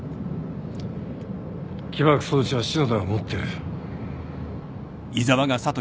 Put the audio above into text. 起爆装置は篠田が持ってる。